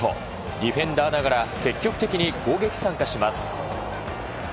ディフェンダーながら積極的に攻撃参加します。